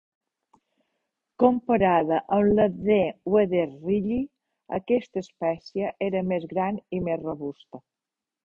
Comparada amb la "D. wetherilli", aquesta espècie era més gran i més robusta.